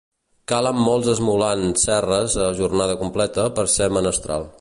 Calen molts esmolant serres a jornada completa per ser menestral.